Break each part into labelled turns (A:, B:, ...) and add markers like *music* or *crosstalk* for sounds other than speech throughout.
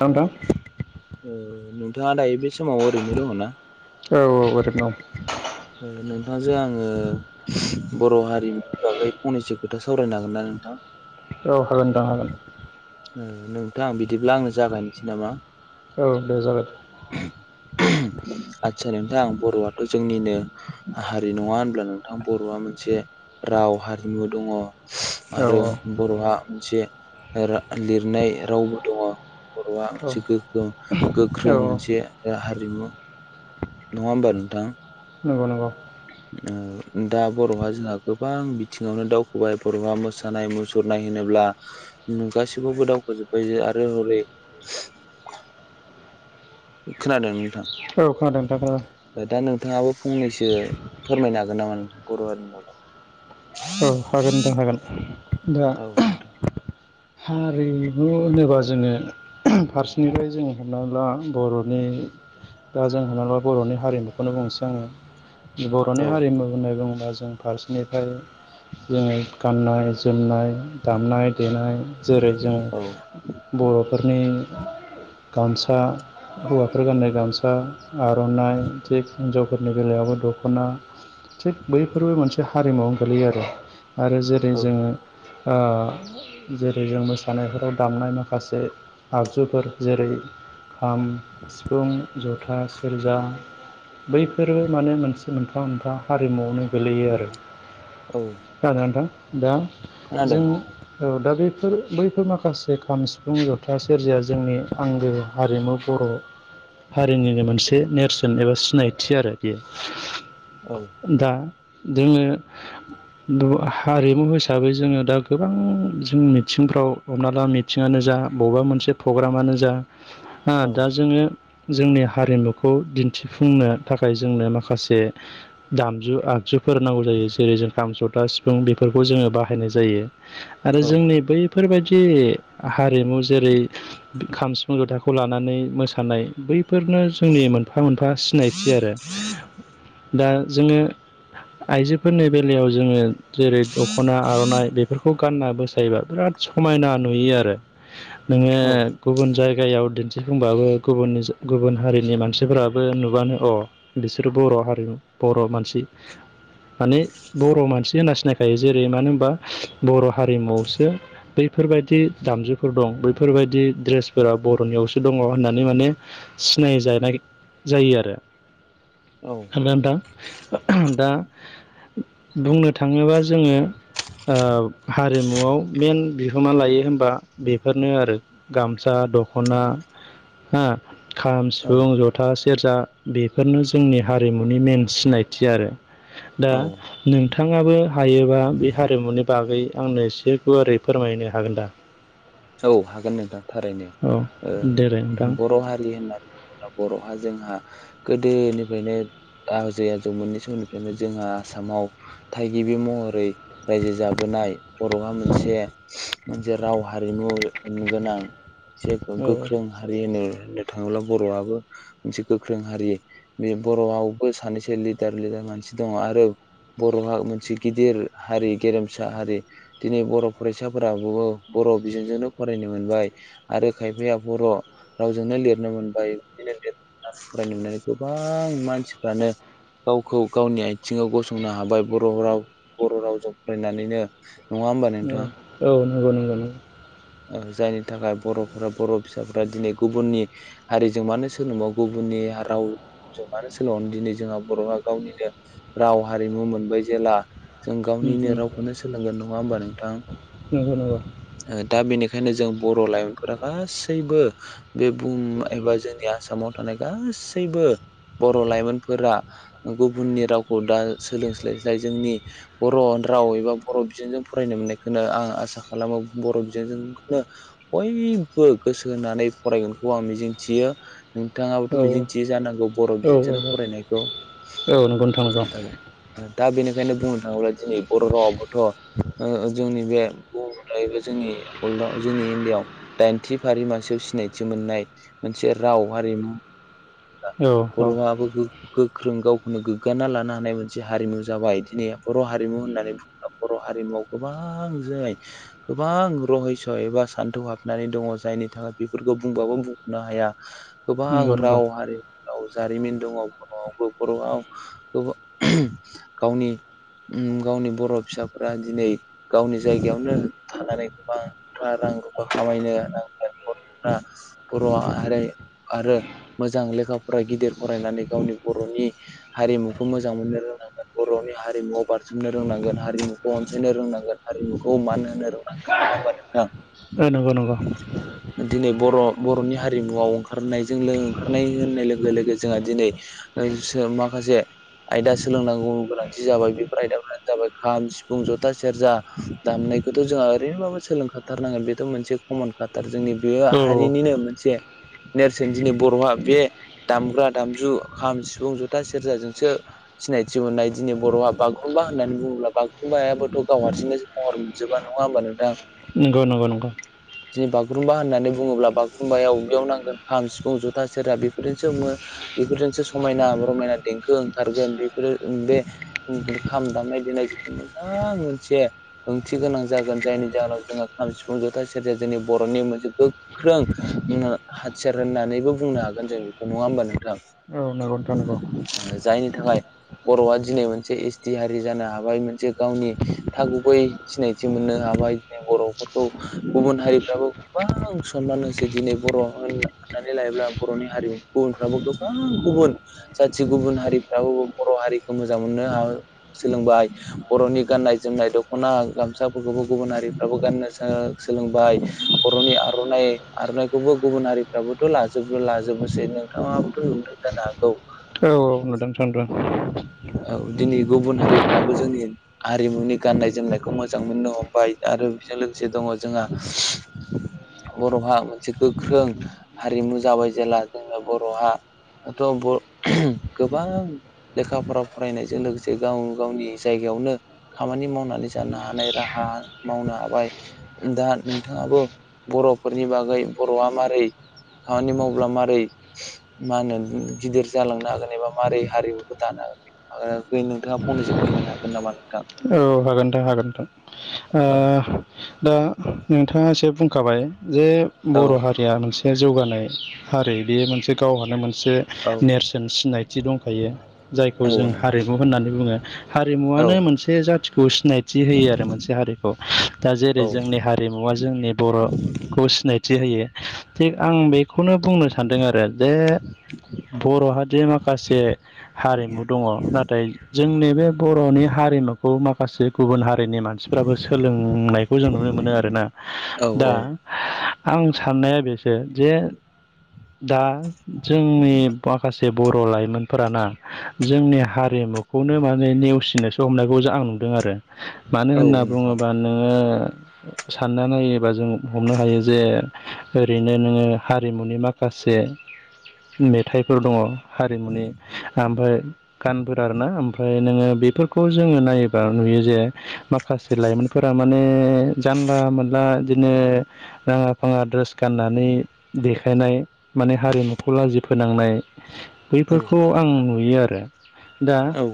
A: नोंथां
B: नोंथाङा दायो बे समाव ओरैनो दङ ना?
A: औ औ आरैनो दं।
B: नोंथांजों आङो बर' हारिमु नि बागै फंनैसो खोथा सावरायनो हागोन ना नोंथां।
A: औ हागोन नोंथां हागोन।
B: ओ नोंथां बिदिब्ला आंनो जागायनोसै नामा?
A: औ दे जाबाय।
B: आदसा नोंथां आं बर'आथ' जोंनिनो हारि नङा होनब्ला नोंथां बर'आ मोनसे राव हारिमु दङ।
A: औ
B: आरो बर'आ मोनसे रा लिरनाय रावबो दङ बर'आ
A: औ
B: मोनसे गोगगो
A: औ
B: गोख्रों मोनसे हारिमु नङा होनबा नोंथां।
A: नंगौ नंगौ।
B: दा बर'हा जोंहा गोबां बिथिङावनो दावखोबाय बर'हा मोसानाय मुसुरनाय होनोब्ला आ गासिखौबो दावखोजोबबाय जाहा आरो हरै खोनादों नोंथां।
A: औ खोनादों नोंथां ओ
B: दा नोंथाङाबो फंनैसो फोरमायनो हागोन नामा बर' हारिनि बागै
A: औ हागोन नोंथां हागोन। दा
B: औ नोंथां
A: हारिमु होनोब्ला जोङो फारसेनिफ्राय जों हमनानै ला बर'नि दा जों हमना ला बर'नि हारिमुखौनो बुंनोसै आङो बर'नि
B: औ
A: हारिमु होननानै बुङोबा जों फारसेनिफ्राय जोङो गाननाय जोमनाय दामनाय देनाय जेरै
B: औ
A: जोंङो बर'फोरनि गामसा हौवाफोर गाननाय गामसा आर'नाइ थिग हिनजावफोरनि बेला याबो दख'ना थिग बैफोरबो मोनसे हारिमुवयावनो गोलैयो आरो आरो जेरै
B: औ
A: जोङो ओ जेरै जेरै जों मोसानायफोराव दामनाय माखासे आगजुफोर जेरै खाम सिफुं जथा सेरजा बैफोरबो माने मोनसे मोनफा मोनफा हारिमुयावनो गोलैयो आरो
B: औ
A: जागोन नोथां दा
B: खोनादों
A: जों
B: नोंथां
A: औ दा बे फोर बैफोर माखासे खाम सिफुं जथा सेरजाया जोंनि आंगो हारिमु बर' हारिनिनो मोनसे नेरसोन एबा सिनायथि आरो बियो
B: औ
A: दा जोङो द हारिमु हिसाबै जोङो दा गोबां जों मिथिंफ्राव हमना ला मिथिङानो जा बबेबा मोनसे प्रग्रामानो जा आ
B: औ
A: दा जोङो जोंनि हारिमुखौ दिनथिफुंनो थाखाय जोंनो माखासे दामजु आगजु फोर नांगौ जायो जेरै जों खाम जथा सिफुं बेफोरखौ जोङो बाहायनाय जायो। आरो
B: औ
A: जोंनि बैफोरबायदि हारिमु जेरै खाम सिफुं ज'था खौ लानानै मोसानाय बैफोरनो जोंनि मोनफा मोनफा सिनायथि आरो दा जोङो आइजोफोरनि बेलायाव जोङो जेरै दख'ना आर'नाइ बेफोरखौ गानना मोसायोबा बिराद समायना नुयो आरो नोङो गुबुन जाय गायाव दिन्थिफुंबाबो गुबुन गुबुन हारिनि मानसिफोराबो नुबानो अ बिसोरो बर' बर' हारिमु बर' मानसि माने बर' मानसि होनना सिनायखायो जेरै मानो होनबा बर' हारिमुआवसो बै फोरबायदि दामजुफोर दं बैफोरबायदि दड्रेसफोरा बर'नियावसो दङ होननानै माने सिनाय जानाय जायो आरो
B: औ
A: *unintelligible* दा बुंनो थाङोबा जोङो ओ हारिमुआव मेन बिहोमा लायो होन बा बेफोरनो आरो गामसा दख'ना हो खाम सिफुं जथा सेरजा बेफोरनो जोंनि हारिमुनि मेन सिनायथि आरो दा
B: औ
A: नोंथाङाबो हायोबा बे हारिमुनि बागै आंनो एसे गुवारै फोरमायनो हागोन दा
B: औ हागोन नोंथां थारैनो
A: औ
B: ओ
A: देलाय नोंथां
B: बर' हारि होननानै बर'हा जोंहा गोदोनिफ्रायनो आ आजै आजौ मोननै समनिफ्रायनो जोंहा आसामाव थागिबि महरै रायजो जाबोनाय। बर'हा मोनसे मोनसे राव हारिमु गोनां जे
A: औ
B: गोख्रों हारिनि होननो थाङोब्ला बर'आबो मोनसे गोख्रों हारि बे बर'आवबो सानैसो लिदार लिदार मानसि दङ आरो बर'हा मोनसे गिदिर हारि गेरेमसा हारि दिनै बर' फरायसाफोराबो बर' बिजोंजोंनो फरायनो मोनबाय आरो खायफाया बर' रावजोंनो लिरनो मोनबाय बिदिनो लिर फरायनोनानै गोबां मानसिफ्रानो गावखौ गावनि आथिङाव गसंनो हाबाय बर' राव बर' रावजों फरायनानैनो होमबा नोंथां
A: औ नंगौ नंगौ नंगौ
B: जायनि थाखाय बर'फोरा बर' फिसाफ्रा दिनै गुबुननि हारिजों मानो सोलोंबा गुबुन बे राव जगानो सोल' दिनै जोंहा बर'आ गावनिनो राव हारिमु मोनबाय। जों
A: उम
B: गावनिनो
A: उम
B: रावखौनो सोलोंगोन नङा होमबा नोंथां?
A: नंगौ नंगौ औ
B: बेनिखायनो जों बर' लाइमोनफोरा गासैबो बे बुहुम एबा जोंनि आसामाव माने गासैबो बर' लाइमोनफोरा गुबुननि रावखौ दा सोलोंस्लाय स्लाय जोंनि बर' राव एबा बर' बिजोंजों फरायनो मोननायखौनो आं आसा खालामो बर' जोंखौनो बयबो गोसो होनानै फरायगोनखौ आं मिजिंथियो। नोंथाङाबोथ'
A: औ औ नंगौ
B: मिजिंथियो जानांगौ बर' बिजोंजोंनो फरायनायखौ
A: नोंथां नंगौ औ
B: दा बेनिखायनो बुंनो थाङोब्ला दिनै बर' रावाबोथ' जोंनि बे ब एबा जोंनि वर्ल्डआव जोंनि इण्डिया आ दाइनथि फारि मासियाव सिनायथि मोननाय मोनसे राव हारिमु
A: औ
B: बर'आाबो गोख्रों गाव नो गोग्गाना लानो हानाय मोनसे हारिमु जाबाय दिनै बर' हारिमु होननानै बुङोब्ला बर' हारिमुआव गोबां जाय गोबां रहस' एबा सान्थौ हाबनानै दङ। जाय थाखाय बेफोरखौ बुंबाबो बुंरनो हाया गोबां
A: नंगौ नंगौ
B: राव हारिमु जारिमिन दङ बर'आवबो बर'आव गावनि गावनि बर' फिसाफोरा दिनै गावनि जायगायावनो थानानै गोबां नो बर' माहारि आरो मोजां लेखा फराय गिदिर फरायनानै गावनि बर'नि हारिमुखौ मोजां मोननो रोंनांगोन बर'नि हारि हारिमुआव बारसोमनो रोंनांगोन हारिमुखौ अनसायनो रोंनांगोन हारिमुखौ मान होनो रोंनांगोन नङा होमबा नोंथां? दिनै बर' बर'नि हारिमुआव ओंखारनायजोंनो खारनाय होननाय लोगो लोगो जोंहा दिनै माखासे आयदा सोलोंनांगौ गोनांथि जाबाय बेफोर आयदाफोरानो जाबाय खाम सिफुं जथा सेरजा दामनाय खौथ' जोंहा ओरैनोबाबो सोलोंखाथारनांगोन बेथ' मोनसे कमन खाथार। जोंनि बे
A: ओ नंगौ नंगौ औ
B: हारिनिनो मोनसे नेरसोन दिनै बर'हा बे दामग्रा दामजु खाम सिफुं जथा सेरजाजोंसो सिनायथि मोननाय दिनै बर' गहा बागुरुमबा होननानै बुङोब्ला बागुरुम्बायायाबोथ' गाव हारसिं महर मोनजोबा नङा होनबा नोंथां?
A: नंगौ नंगौ नंगौ
B: बि बागुरुम्बा होननानै बुङोब्ला बागुरुमबाया अबेयाव नांगोन खाम सिफुं जथ था सेरजा बेफोरजोंसोङो बेफोरजोंसो समायना रमायना देंखो ओंखारगोन बेफोरो बे खाम दामनाय देनाय जिथु मोजां मोनसे ओंथि गोनां जागोन। जायनि जाहोनाव जों खाम सिफुं जथा सेरया जोंनि बर'नि मोनसे गोख्रों हासार होननानैबो बुंनो हागोन जों बेखौ नङा होमबा नोंथां?
A: औ नंगौ नोंथां नंगौ
B: जायनि थाखाय बर'आ दिनै मोनसे एस टि हारि जानो हाबाय मोनसे गावनि थागै सिनायथि मोननो हाबाय। ाबाय बर'फोरखौ गुबुन हारिफ्राबो गोबां सनमान होसै दिनै बर' होन नानै लायब्ला बर'नि हारिम गुबुनफ्राबो गोबां गुबुन जाथि गुबुन हारिफ्राबो बर' हारिखौ मोजां मोनो। सोलोंबाय बर'नि गाननाय जोमनाय दख'ना गामसाफोरखौबो गुबुन हारिफ्राबो गाननाय सोलोंबाय बर'नि आरननाय आर'नाइखौबो गुबुन हारिफ्राबोथ' लाजो जोब' लाजोबबोसै नोंथाङाबोथ' नुदो जानोहागौ।
A: औ औ
B: औ
A: *unintelligible*
B: दिनै गुबुन हारिफ्राबो जोंनि हारिमुनि गाननाय जोमनायखौ मोजां मोननो हमबाय आरो बेजों लोगोसे दङ जोंहा बर'हा मोनसे गोख्रों हारिमु जाबाय जेला जोंना बर'हा ाथ' गोबां लेखा फा फरायनायजों लोगोसे गाव गावनि जायगा यावनो खामानि मावनानै जानो हानाय राहा मावनो हाबाय दा नोंथाङाबो। बर'फोरनि बागै बर'आ मारै खामानि मावब्ला मारै मा होनो गिदिर जालांनो हागोन एबा मारोरै हारिमुखौ दानो नोंथाङा फंनैसो फोरमायनो हागोन नामा? नोंथां?
A: औ हागोन दां हागोन दां
B: औ
A: दा नोंथाङा एसे बुं खाबाय जे बर'
B: औ
A: हारिया मोनसे जौगानाय हारि बेयो मोनसे गावहानो मोन मोनसे नेरसोन सिनायथि दंखायो
B: औ
A: जायखौ जों
B: नोंथां
A: हारिमु होननानै बुङो।
B: औ
A: हारिमुवनो मोनसे जाथिखौ सिनायथि होयो आरो मोनसे हारिखौ दा जेरै
B: औ
A: जोंनि हारिमुवा जोंनि बर' खौ सिनायथि होयो थिग आं बेखौनो बुंनो सानदों आरो जे बर'हाद माखासे हारिमु दङ नाथाय जोंनि बे बर'नि हारिमुखौ माखासे गुबुन हारि हारिनि मानसिफ्राबो सोलोंनायखौ जों नुनो मोनो आरोना
B: औ
A: दा आं साननाया बेसो जे दा जोंनि माखासे बर' लाइमोनफोराना जोंनि हारिमुखौनो माने नेवसिनोसो हमनाय बे खौ आं नुदों आरो मानो
B: औ
A: होनना
B: नोंथां
A: बुङोबा नोङो सानना नायोबा जों हमनो हायो जे ओरैनो नोङो हारिमुनि माखासे से मेथाइफोर दङ हारिमुनि ओमफ्राय गानफोर आरोना ओमफ्राय नोङो बेफोरखौ जोङो नायोबा नुयो जे माखासे लाइमोनफोरा माने जानला मोनला बिदिनो राङा फाङा ड्रेस गाननानै देखायनाय माने हारिमुखौ लाजि फोनां
B: औ
A: बैफोरखौ आं नुयो आरो दा
B: औ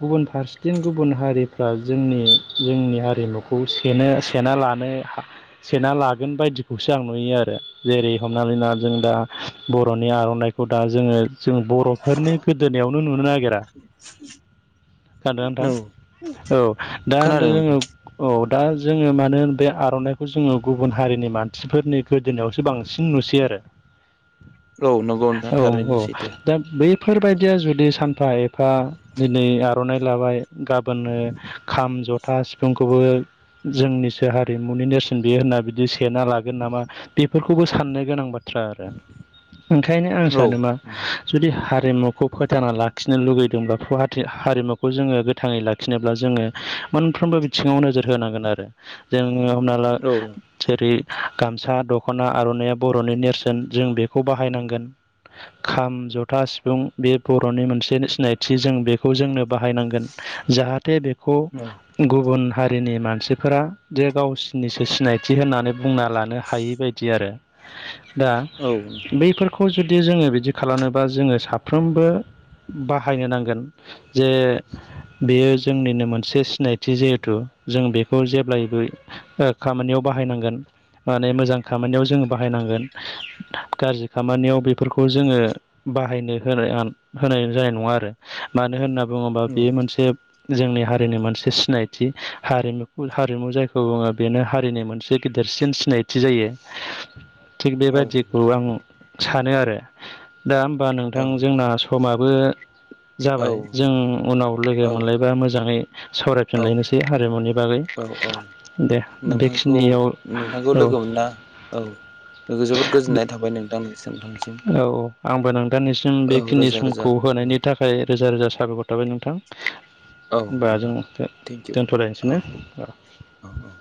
A: गुबुन फारसेथिन गुबुन हारिफ्रा जोंनि जोंनि हारिमुखौनो सेना लानो हा सेना लागोन बायदिखौसो आं नुयो आरो जेरै हमनानै ना जों दा बर'निआव दा जोङो जों बर'फोरनि गोदोनायावनो नुनो नागिरा। जादों आोंथां
B: औ
A: औ दा होनदों
B: खोनादों
A: जोङो
B: नोंथां
A: औ दा जोङो मानो होन बे आर'नाइखौ जोङो गुबुन हारिनि मानसिफोरनि गोदोनायावसो बांसिन नुसै आरो
B: औ नंगौ नोंथां थारैनो
A: औ औ
B: सैथो
A: दा बे बेफोरबायदिया जुदि सानफा एफा दिनै आर'नाइ लाबाय गाबोननो खाम जथा सिफुंखौबो जोंनिसो हारिमुनि नेरसोन बियो होनना बिदि सना लागोन नामा बेफोरखौबो साननो गोनां बाथ्रा बाथ्रा आरो ओंखायनो आं
B: औ
A: सान मा जुदि हारिमुखौ फोथांना लाखिनो लुगैदोंबाथ' हारिमुखौ जोङो गोथाङै लाखिनोब्ला जोङो मोनफ्रोमबो बिथिङाव नोजोर होनांगोन आरो जों नोङो हमना ला
B: औ औ
A: थोरि गामसा दख'ना आर'नाइया बर'नि नेरसोन जों बेखौ बाहायनांगोन। खाम जथा सिफुं बे बर'नि मोनसे सिनायथि जों बे खौ जोंनो बाहायनांगोन जाहाथे बेखौ
B: औ
A: गुबुन हारिनि मानसिफोरा जे गावसिोरनिसो सिनायथि होननानै बुंना लानो हायि बायदि आरो।
B: *unintelligible*
A: दा
B: नोंथां औ औ
A: बैफोरखौ जुदि जदि जोङो बिदि खालामोबा जोङो साफ्रोमबो बाहायनो नांगोन। जे बेयो जोंनिनो मोनसे सिनायथि जिहेथु जों बेखौ जेब्लायबो खामानियाव। बाहायनांगोन माने मोजां खामानियाव जोङो बाहायनांगोन गाज्रि खामानियाव बेफोरखौ जोङो बाहायनो होनाय होनाय जानाय नङा आरो मानो होनना बुङोबा बेयो मोनसे जोंनि हारिनि मोनसे सिनायथि हारिमुखौ हारिमु जायखौ बुङो बेनो हारिनि मोनसे गिदिर बांसिन सिनायथि जायो। थिग बेबायदिखौ आं सानो आरो दा होमबा नोंथां जोंना समा जाबाय जों उनाव लोगो मोनलायबा मोजाङै
B: औ
A: सावरायफिनलायनोसै हारिमुनि बागै
B: औ
A: दे
B: नोंथांखौ
A: बेखिनियाव
B: नोंथांखौ
A: औ
B: लोगो मोनना औ जोबोद गोजोननाय थाबाय नोंथां नोंथांसिम
A: औ आंबो नोंथांनिसिम
B: औ
A: बेखिनि
B: रोजा रोजा
A: समखौ हो
B: औ
A: बानायनि थाखाय रोजा रोजा साबायखर थाबाय नोंथां।
B: औ
A: होनोमबा जों
B: नोंथां थेंकिउ
A: दोनथ'लायनोसै
B: औ
A: ने औ
B: औ औ